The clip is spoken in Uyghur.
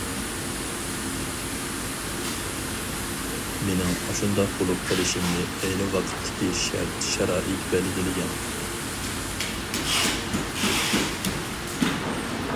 مېنىڭ ئاشۇنداق بولۇپ قېلىشىمنى ئەينى ۋاقىتتىكى شەرت-شارائىت بەلگىلىگەن.